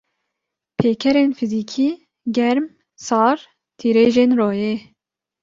Pêkerên fizikî: Germ, sar, tirêjin royê